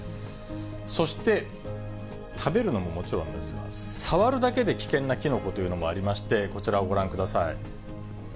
そして、食べるのももちろんですが、触るだけで危険なキノコというのもありまして、こちらをご覧ください。